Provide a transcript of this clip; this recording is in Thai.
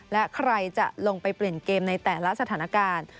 และใครจะลงไปเปลี่ยนเกมในแต่ละสถานการณ์